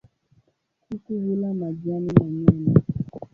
Kuku hula majani na nyama.